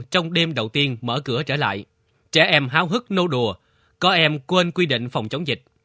trong đêm đầu tiên mở cửa trở lại trẻ em háo hức nâu đùa có em quên quy định phòng chống dịch